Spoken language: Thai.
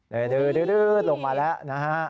ลงมาแล้วนะฮะ